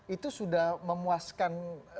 itu sudah memuaskan